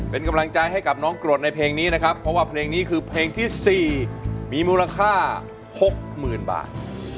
เป็นกำลังใจให้กับน้องกรดในเพลงนี้นะครับเพราะว่าเพลงนี้คือเพลงที่๔มีมูลค่า๖๐๐๐บาท